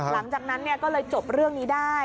หลังจากนั้นก็เลยจบเรื่องนี้ได้